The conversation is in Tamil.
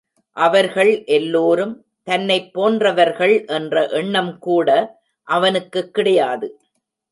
அவர்கள் எல்லோரும் தன்னைப் போன்றவர்கள் என்ற எண்ணம்கூட அவனுக்குக் கிடையாது.